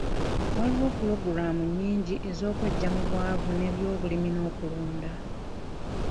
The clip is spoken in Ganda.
Waliwo pulogulaamu nnyingi ez'okweggya mu bwavu mu by'obulimi n'okulunda..